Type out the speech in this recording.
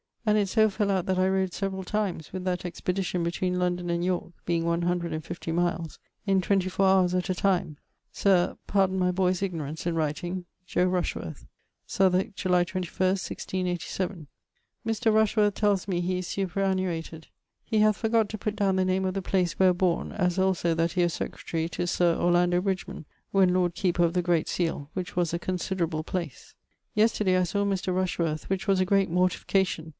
And it so fell out that I rode severall times, with that expedition betwen London and Yorke (being one hundred and fivetey miles) in 24 hours at a time. Sir, pardon my boye's ignorance in writeing: JO. RUSHWORTH. Southwarke, July 21, 1687. Mr. Rushworth tells me he is superannuated. He hath forgott to putt downe the name of the place where borne: as also that he was secretary to Sir Orlando Bridgeman, when Lord Keeper of the great seale, which was a considerable place. Yesterday I saw Mr. Rushworth: which was a great mortification.